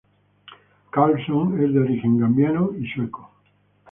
Karlsson es de origen gambiano y sueco.